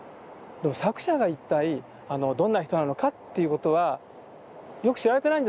でも作者が一体どんな人なのかっていうことはよく知られてないんじゃないかと思うんですね。